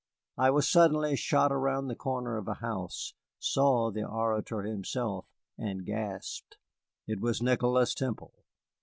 I was suddenly shot around the corner of a house, saw the orator himself, and gasped. It was Nicholas Temple.